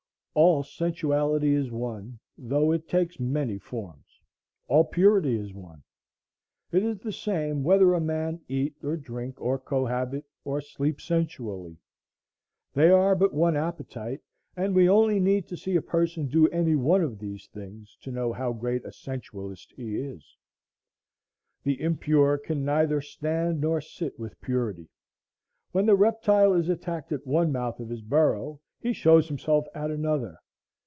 All sensuality is one, though it takes many forms; all purity is one. It is the same whether a man eat, or drink, or cohabit, or sleep sensually. They are but one appetite, and we only need to see a person do any one of these things to know how great a sensualist he is. The impure can neither stand nor sit with purity. When the reptile is attacked at one mouth of his burrow, he shows himself at another.